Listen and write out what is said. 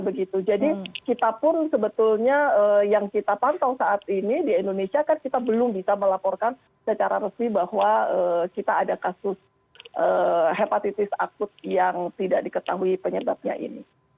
begitu jadi kita pun sebetulnya yang kita pantau saat ini di indonesia kan kita belum bisa melaporkan secara resmi bahwa kita ada kasus hepatitis akut yang tidak diketahui penyebabnya ini